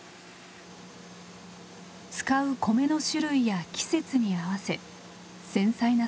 使う米の種類や季節に合わせ繊細な作業を繰り返します。